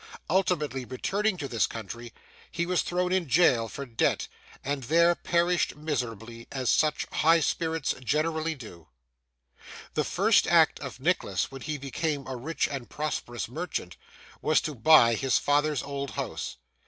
Ultimately, returning to this country, he was thrown into jail for debt, and there perished miserably, as such high spirits generally do. The first act of Nicholas, when he became a rich and prosperous merchant, was to buy his father's old house.